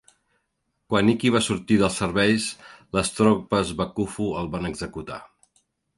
Quan Hiki va sortir dels serveis, les tropes bakufu el van executar.